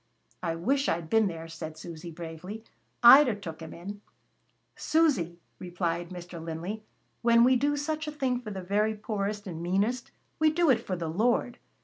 "I wish I'd been there!" said Susy bravely, "I'd a' took Him in." "Susy," replied Mr. Linley, "when we do such a thing for the very poorest and meanest, we do it for the Lord."